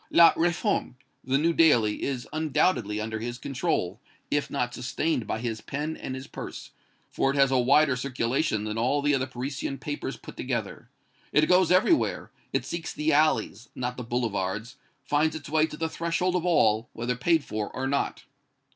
'La Réforme,' the new daily, is undoubtedly under his control, if not sustained by his pen and his purse, for it has a wider circulation than all the other Parisian papers put together. It goes everywhere it seeks the alleys, not the boulevards, finds its way to the threshold of all, whether paid for or not."